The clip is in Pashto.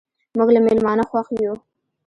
موږ له میلمانه خوښ یو.